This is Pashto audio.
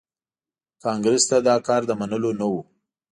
کانګریس ته دا کار د منلو نه و.